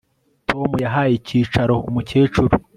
Tom yahaye icyicaro umukecuru